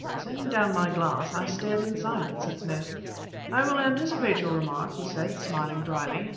Setting down my glass, I stared in silence at Smith. "I will anticipate your remark," he said, smiling dryly.